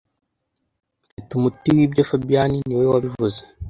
Mfite umuti wibyo fabien niwe wabivuze